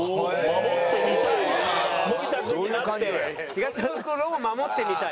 「東ブクロを守ってみたい」。